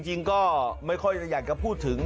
จริงก็ไม่ค่อยอยากจะพูดถึง